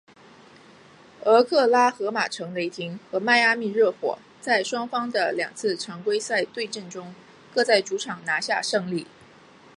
俄克拉何马城雷霆和迈阿密热火在双方的两次的常规赛对阵中各在主场拿下胜利。